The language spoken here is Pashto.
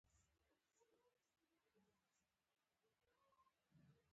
کوږ فکر سمه پرېکړه نه شي کولای